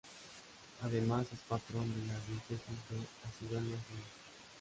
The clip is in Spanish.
Además, es patrón de la Diócesis de Asidonia-Jerez.